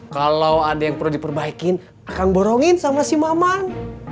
kalau ada yang perlu diperbaikin akan borongin sama si maman